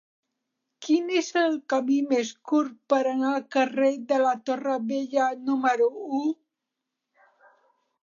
Quin és el camí més curt per anar al carrer de la Torre Vella número u?